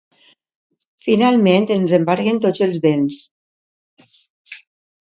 Finalment els embarguen tots els béns.